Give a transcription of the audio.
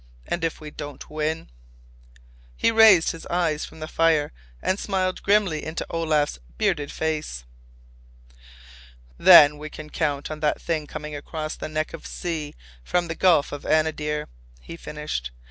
And if we don't win—" He raised his eyes from the fire and smiled grimly into Olaf's bearded face. "Then we can count on that thing coming across the neck of sea from the Gulf of Anadyr," he finished.